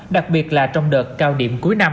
đặc biệt là trong đợt cao điểm cuối năm